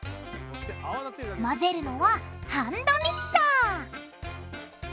混ぜるのはハンドミキサー！